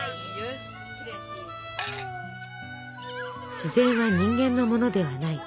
自然は人間のものではない。